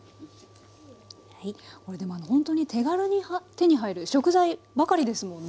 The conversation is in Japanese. これでもほんとに手軽に手に入る食材ばかりですもんね。